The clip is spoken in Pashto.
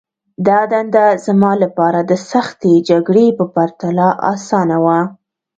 دا دنده زما لپاره د سختې جګړې په پرتله آسانه وه